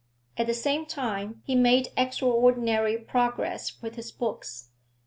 At the same time he made extraordinary progress with his books.